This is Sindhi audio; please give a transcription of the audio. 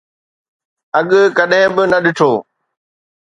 اڳ ڪڏهن به نه ڏٺو